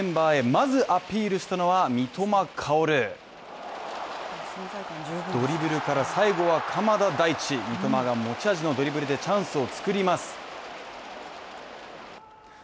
まずアピールしたのは三笘薫ドリブルから最後は鎌田大地、三笘が持ち味のドリブルでチャンスを作ります。